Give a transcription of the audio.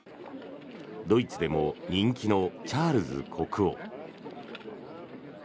ドイツでも人気のチャールズ国王。